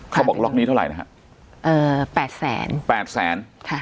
เขาบอกล็อกนี้เท่าไหร่นะฮะเอ่อแปดแสนแปดแสนค่ะ